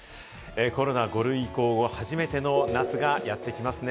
コロナ５類移行、初めての夏がやってきますね。